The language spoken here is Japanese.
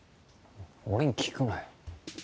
俺に聞くなよ